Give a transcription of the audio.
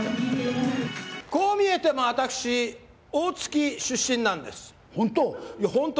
こう見えても私、大月出身な本当？